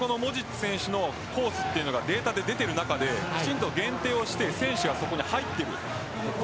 それだけモジッチ選手のコースがデータで出ている中できちんと限定をして選手が、そこに入っている。